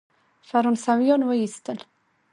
فرانسویان وایستل.